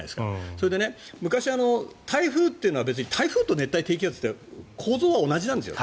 それで、昔、台風というのは台風と熱帯低気圧って構造は同じなんですよ。